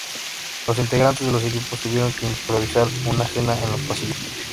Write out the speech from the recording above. Los integrantes de los equipos tuvieron que improvisar una cena en los pasillos.